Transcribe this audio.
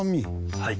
はい。